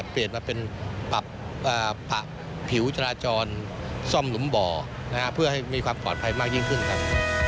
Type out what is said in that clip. เปลี่ยนมาเป็นปรับผิวจราจรซ่อมหลุมบ่อเพื่อให้มีความปลอดภัยมากยิ่งขึ้นครับ